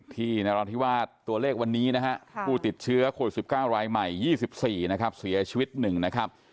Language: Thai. นราธิวาสตัวเลขวันนี้นะฮะผู้ติดเชื้อโควิด๑๙รายใหม่๒๔นะครับเสียชีวิต๑นะครับ